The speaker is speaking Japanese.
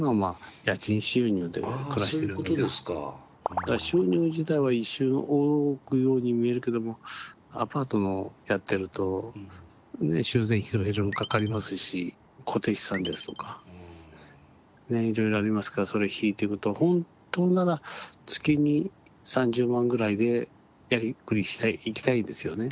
だから収入自体は一瞬多くのように見えるけどもアパートのやってるとね修繕費とかいろいろかかりますし固定資産ですとかねいろいろありますからそれ引いてくとほんとなら月に３０万ぐらいでやりくりしたいいきたいですよね。